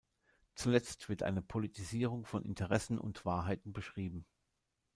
Zuletzt wird eine Politisierung von Interessen und Wahrheiten beschrieben.